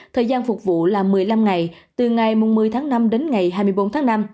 thời gian phục vụ là một mươi năm ngày từ ngày một mươi tháng năm đến ngày hai mươi bốn tháng năm